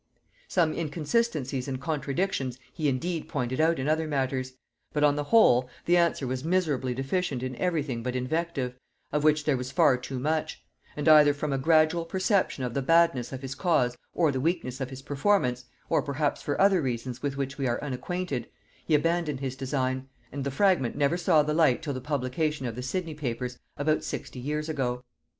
Some inconsistencies and contradictions he indeed pointed out in other matters; but, on the whole, the answer was miserably deficient in every thing but invective, of which there was far too much; and either from a gradual perception of the badness of his cause or the weakness of his performance, or perhaps for other reasons with which we are unacquainted, he abandoned his design; and the fragment never saw the light till the publication of the Sidney Papers about sixty years ago.